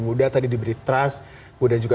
muda tadi diberi trust kemudian juga